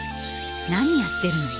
・何やってるの。